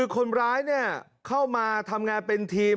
คนร้ายเข้ามาทำงานเป็นทีม